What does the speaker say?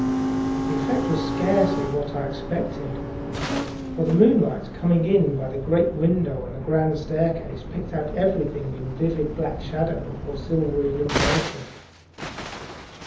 The effect was scarcely what I expected, for the moonlight, coming in by the great window on the grand staircase, picked out everything in vivid black shadow or reticulated silvery illumination.